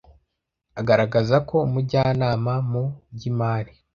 agaragazako umujyanama mu by imari